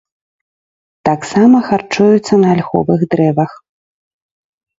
Таксама харчуюцца на альховых дрэвах.